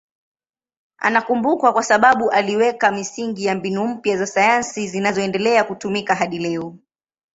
Anakumbukwa kwa sababu aliweka misingi ya mbinu mpya za sayansi zinazoendelea kutumika hadi leo.